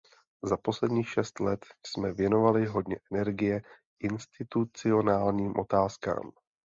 Za posledních šest let jsme věnovali hodně energie institucionálním otázkám.